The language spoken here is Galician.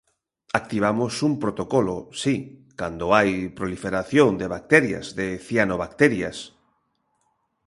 Activamos un protocolo, si, cando hai proliferación de bacterias, de cianobacterias.